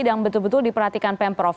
yang betul betul diperhatikan pemprov